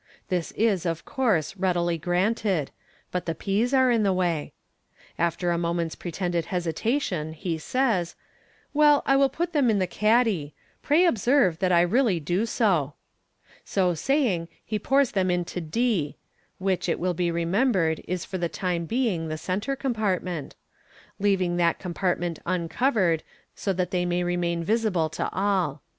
This is, of course, readily granted, but the peas are in the way. After a moment's pretended hesitation, he says, " Well, I will put them in the caddy. Pray observe that I really do so." So saying, he pours them into d (which, it will be remembered, is for the time being the centre compartment), leaving that compartment uncovered, so that they may remain visible to all.